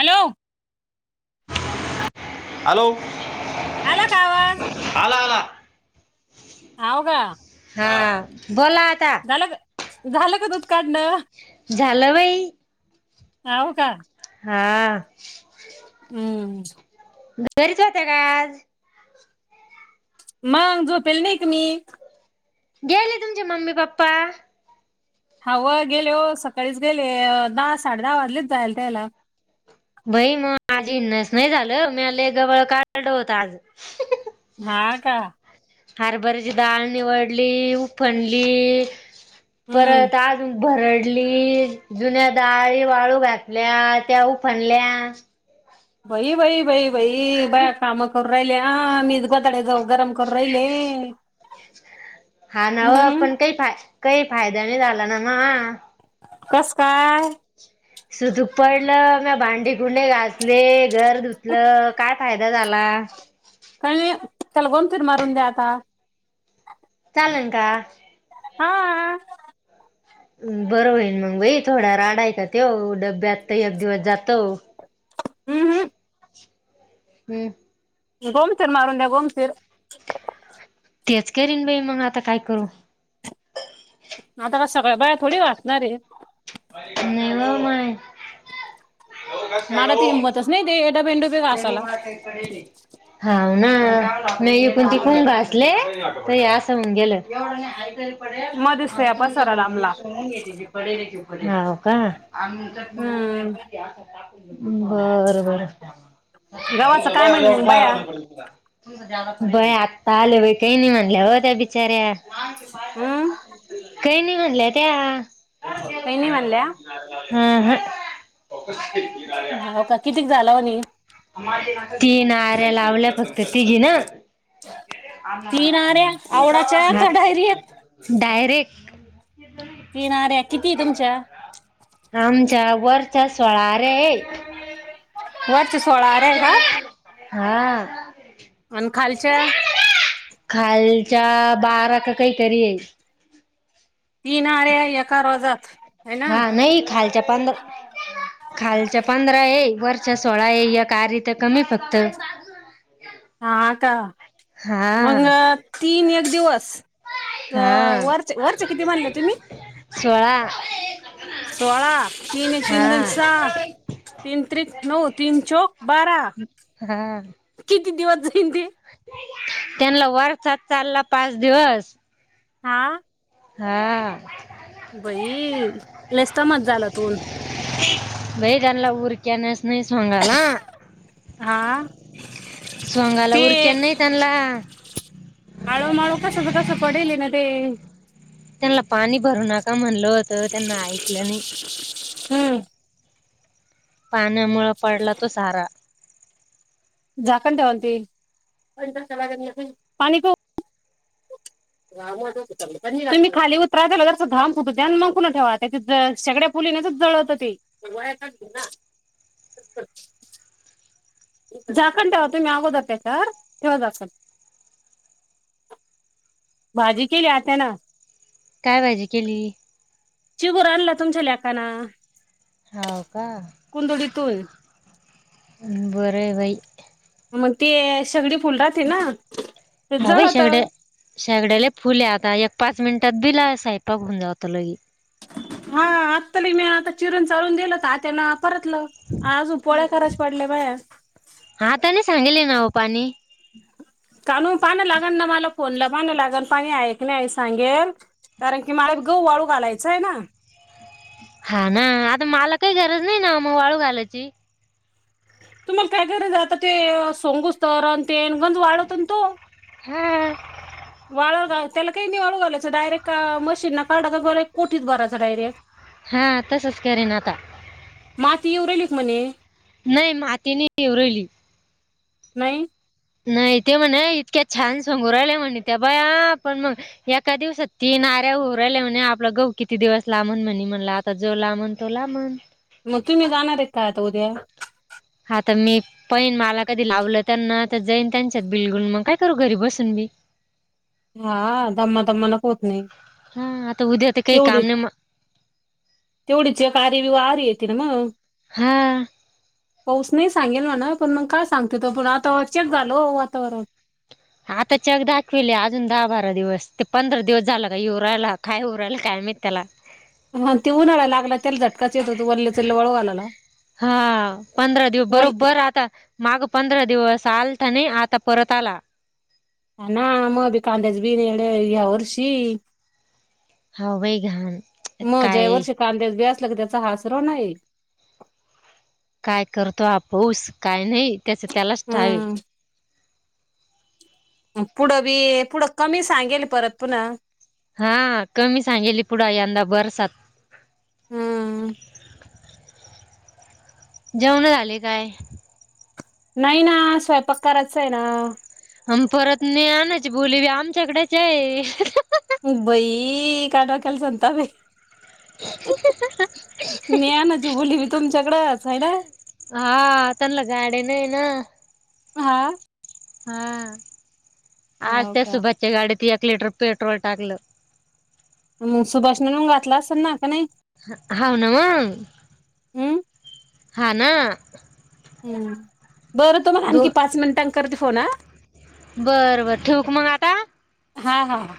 Hello! Hello! आला का आवाज आला आला.. हाव का? हा. बोला आता. झालं का? झालं का दूध काढणं? झालं बाई. हाव का? हा.. हम्म.. घरीच होते का आज? मग झोपेल नाही कुणी? गेले तुमचे मम्मी पप्पा? हव गेले हो सकाळीच गेले दहा साडे दहा वाजलेच जायला त्याला. बाई मग आज इनस नाही झाल मी लय गबळ काढलं होत आज. हा का? हरभऱ्याची डाळ निवडली उफणली हम्म परत अजून भरडली जुन्या डाळी वाळू घातल्या त्या उफनल्या. बाई बाई बाई बाई बया काम करू राहिले हा मी गोधड्या जाऊ गरम करू राहिले हा ना ओ हम्म पण काही फाय काही फायदा नाही झाला ना महा कसं काय? सुतूक पडलं मग भांडी कुंडे घासले घर धुतलं काय फायदा झाला. काय नाही [unintelligible] फिर मारून द्या आता चालन का? हा बरं होईल मग बाई थोडा राडा आहे का तेव डब्यात एक दिवस जातो अं, ह हम्म, गोमतीर मारून द्या गोमतीर. तेचं करीन बाई मग आता काय करू. आता का सगळ्या बाया थोडी घासणार आहे. नाही व्हा माई. मला तर हिम्मतच नाही ते डबे डुबे. [unintelligible] हाव ना, नाही ईकुणी तिकून घासले ते असं होऊन गेलं. मध्येच या पसारा लांबला [unintelligible] होव का. [inaudible] हम्म बरं बरं. गव्हाचं काय म्हणे मग बाया [unintelligible] बय आत्ता आले बा काही नाही म्हणल्या हो त्या बिचाऱ्या. हम्म, काही नाही म्हणल्या त्या. काय नाही म्हणल्या. अं हं होव का कितीक झाला म्हणे? तीन आऱ्या लावल्या फक्त तिघीन. [unintelligible] तीन आऱ्या आवडाच्या आ. का डायरेक्ट डयरेक्ट. तीन आऱ्या किती तुमच्या? आमच्या वरचा सोळा आऱ्या आहे. वरच्या सोळा आऱ्या आहे का? हा. आनं खालच्या? खालच्या बारा का काहीतरी आहे. तीन आऱ्या एका रोजात. है ना हा नाही खालच्या पंध, खालच्या पां पंधरा आहे वरच्या सोळा आहे एक आरी तर कमी आहे फक्त. हा का मंग हा तीन एक दिवस. अ हा वरचे वरचे किती म्हणले तुम्ही? सोळा सोळा तीन तीन हा दोनी सहा तीन त्रिक नऊ, तीन चौक बारा. हां. किती दिवस जाईन ते? त्यांना वरचाच चालला पाच दिवस. हा हा. बाई लेस्ता मच झाला तून वैरानला उरक्याण्यास नाही सोगाला. हा सोगाला ते उरक्या नाही त्यांनला आळू -माळू कसंच कसं पडेल ना ते. त्यांना पाणी भरू नका म्हणलं होतं, त्यांना ऐकलं नाही. हम्. पाण्यामुंळं पडला तो सारा. झाकण ठेवणा ते, पाणी पाऊ तुम्ही खाली उतराला त्याला जरासक घाम फुटु द्या मग पुन्हा ठेवा, त्याच्यात ज शेगडया फुलीण्याचच जळतं ते झाकण ठेवा तुम्ही अगोदर त्याच्यावर, ठेवा झाकण. भाजी केली आत्त्या नं. काय भाजी केली? चिबुर आणला तुमच्या लेकानं. हाव का? कुंदोडीतून बर ये बाई. मंग ते सेगडी फुल राहती ना हा बाई जळत शेगड्या, शेगड्या लैय फुलं ये आता, एक- पाच मिनिटात बि ला स्वयंपाक होऊन जातो लगी. हा आत्ता ले मी आता चिरून चाळुन दिलं त आत्त्या नं परतलं. अजून पोळ्या करायच्या पडल्या बाया. हा आता नाही सांगेल ये नावो पाणी काणू पानं लागल ना मला फोनला पानं लागल, पाणी हाये का नाही हाये सांगेल. कारण की मला गहू वाळू घालायचा आहे ना. हा ना आता मला काही गरज नाही ना म वाळू घालायची? तुम्हाला काय गरज ये आता ते सोंगूसं तर अन् तेन गंज वाळतो ना तो. हा, वाळु घि, त्याला काही नही वाळू घालायच डायरेट मशीनना काढा का कोठीत भरायच डायरेक्ट. हा तसंच करेन आता. मााती येवु राहिलि का म्हणे? नही माती नहि येवु राहिली. नाही नाही ते म्हणा इतक्या छान सोखु राहिल्या म्हणे त्या बाया, पण म एका दिवसात तीन आऱ्या होऊ राहिल्या म्हणे, आपलं गहू किती दिवस लाफंल म्हणे, म्हणलं आ तर जो लामण तो लामण. म तुम्ही जाणार काय आता उद्या? हा त मी पहिन मला कधी लावलं त्यांना आता जाईन, त्यांच्यात बिलगुन मग काय करू घरी बसून बी. हा दममा दमा न त नाही, हा आता उद्या तर काही काम तेवढि नाही मग तेवढीच एक आरी, विवहारी येती ना मग. हा. पाऊस नाही सांगेल म्हणा पण मग काय सांगते त पण आता चेक झालो वातावरण. आता चेक दाखविले अजून दहा बारा दिवस ते पंधरा दिवस झालं काय येऊ राहिला का येऊ राहिला काय माहित त्याला. म ती उन्हाला लागला तीला झटकाच येत होतो [unintelligible] घालायला हा पंधरा वल बरोबर आता माग पंधरा दिवस आलता नई आता परत आला हो ना म बी कांद्याच बिन येल ह्या वर्षी हवय घाण मग ज्या काय वर्षी कांद्याच बी असला का त्याचा हासरो नाही काय करतो हा पाऊस काय नाही त्याच त्यालाच ठावये हम्म पुढं बी पुढं कमी सांगेल परत पुन्हा हा कमी सांगेली पुढं यंदा बरसात. हम् जेवण झाले काय नाही ना स्वयंपाक करायचाय ना परत नाही आणायची बोली बी आमच्या कडेचये बई काय डोक्याला संताप हाय ज्ञानाची बोली बी तुमच्याकडच हाय ना हा त्यांनला गाड्या नाही ना हा हा आज हो त्या का सुभाषच्या गाडीत एक लिटर पेट्रोल टाकलं. हू सुभाष न नेऊन घातल असल ना का नाही. हाव नवं हम्म हा ना हू बरं तुम्हाला दो आणखी पाच मिनिटांन करते फोन हा बरं बरं ठेवू का मग आता हा हा हा